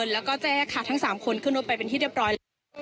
แล้วก็แจ้งค่ะทั้ง๓คนขึ้นรถไปเป็นที่เรียบร้อยแล้ว